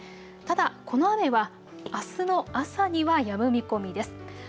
ただこの雨はあすの朝にはやむ見込みです。